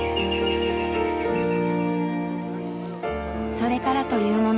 それからというもの